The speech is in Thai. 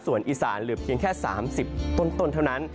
ส่วนอีสานเหลือเพียงแค่๓๐ต้นเท่านั้น